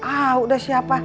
ah udah siapa